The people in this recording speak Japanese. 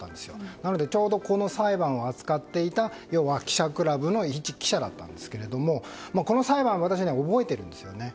なので、ちょうどこの裁判を扱っていた要は記者クラブの一記者だったんですけどもこの裁判、私も覚えているんです。